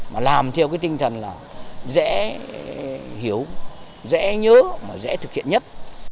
mà làm theo cái tinh thần là dễ hiểu dễ nhớ mà dễ thực hiện nhất